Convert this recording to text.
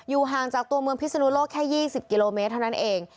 ห่างจากตัวเมืองพิศนุโลกแค่๒๐กิโลเมตรเท่านั้นเอง